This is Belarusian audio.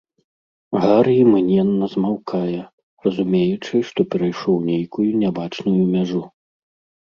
Гары імгненна змаўкае, разумеючы, што перайшоў нейкую нябачную мяжу.